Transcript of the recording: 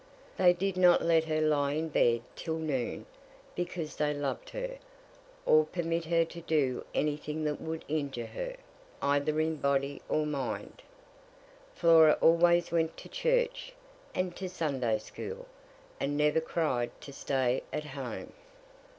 They did not let her lie in bed till noon because they loved her, or permit her to do any thing that would injure her, either in body or mind. Flora always went to church, and to the Sunday school, and never cried to stay at home.